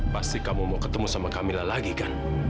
pasti kamu mau ketemu sama kamila lagi kan